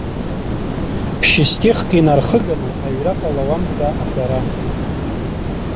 Ԥшь-стихк инарыхганы аҩра ҟалауам ҳәа аҳәара.